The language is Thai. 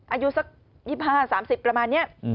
อายุสัก๒๕๓๐ประมาณนี้